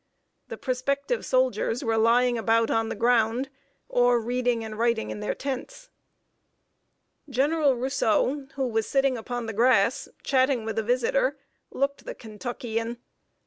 The prospective soldiers were lying about on the ground, or reading and writing in their tents. General Rousseau, who was sitting upon the grass, chatting with a visitor, looked the Kentuckian.